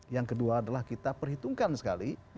yang kedua adalah kita perhitungkan sekali